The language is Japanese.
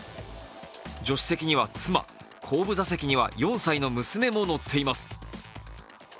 助手席には妻、後部座席には４歳の娘も乗っています。